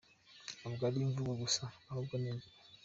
Ntabwo ari imivugo gusa ahubwo ningiro.